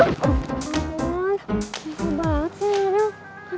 aduh masalah banget sih nganil